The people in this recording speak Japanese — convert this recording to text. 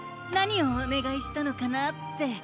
なにをおねがいしたのかなって。